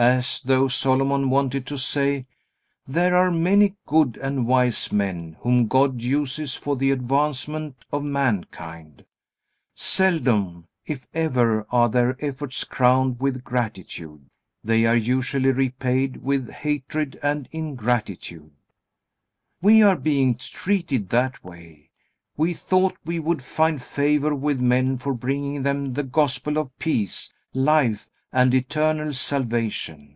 As though Solomon wanted to say: "There are many good and wise men whom God uses for the advancement of mankind. Seldom, if ever, are their efforts crowned with gratitude. They are usually repaid with hatred and ingratitude." We are being treated that way. We thought we would find favor with men for bringing them the Gospel of peace, life, and eternal salvation.